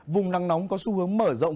vùng nắng nóng có xu hướng mở rộng